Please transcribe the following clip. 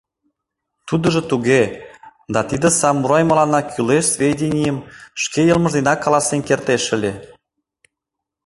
— Тудыжо туге, да тиде самурай мыланна кӱлеш сведенийым шке йылмыж денак каласен кертеш ыле.